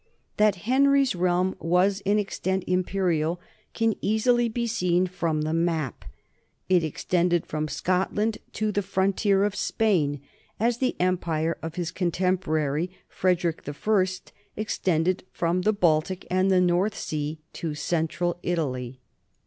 That Henry's realm was in extent imperial can easily be seen from the map. It extended from Scotland to the frontier of Spain, as the empire of his contemporary Frederick I extended from the Baltic and the North Sea to central Italy.